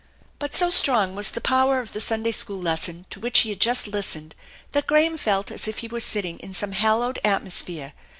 But so strong was the power of the Sunday school lesson to which he had just listened that Graham felt as if he were sitting in some hallowed atmosphere.